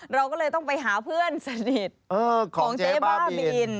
เราก็เลยต้องไปหาเพื่อนสนิทของเจ๊บ้าบิน